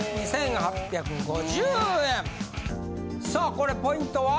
さあこれポイントは？